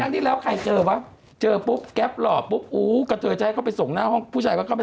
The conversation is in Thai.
ที่แล้วใครเจอวะเจอปุ๊บแก๊ปหล่อปุ๊บอู้กระเทยจะให้เขาไปส่งหน้าห้องผู้ชายก็เข้าไป